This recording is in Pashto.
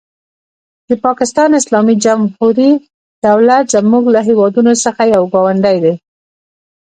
د پاکستان اسلامي جمهوري دولت زموږ له هېوادونو څخه یو ګاونډی دی.